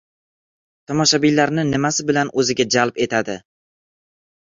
tomoshabinlarni nimasi bilan o‘ziga jalb etadi?